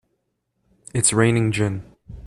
It's raining gin!